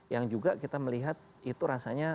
yang juga kita melihat itu rasanya